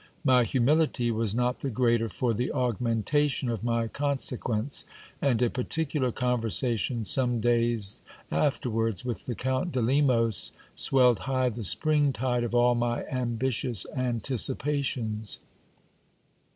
My humility was not the greater for the augmentation of my conse quence; and a particular conversation some days afterwards with the Count de Lemos swelled high the spring tide of all my ambitious anticipations.